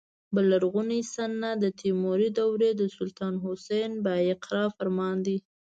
بل لرغونی سند د تیموري دورې د سلطان حسن بایقرا فرمان دی.